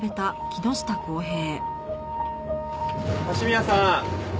鷲宮さん。